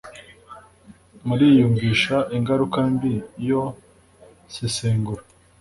muriyumvisha ingaruka mbi yo sesengura